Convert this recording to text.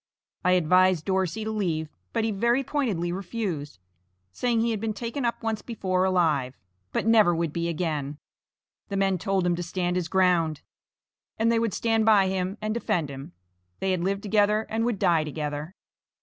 I advised Dorsey to leave, but he very pointedly refused, saying he had been taken up once before alive, but never would be again. The men told him to stand his ground, and they would stand by him and defend him, they had lived together, and would die together.